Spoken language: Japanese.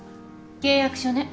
契約書ね。